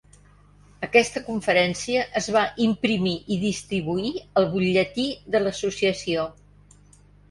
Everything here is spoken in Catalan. Aquesta conferència es va imprimir i distribuir al butlletí de l'associació.